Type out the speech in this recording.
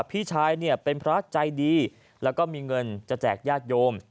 พี่ชายเป็นพระใจดีและมีเงินจะแจกญาติโยม